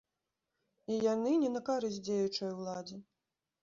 І яны не на карысць дзеючай уладзе.